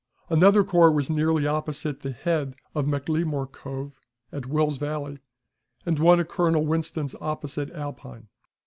Another corps was nearly opposite the head of McLemore Cove, in Will's Valley, and one at Colonel Winston's opposite Alpine.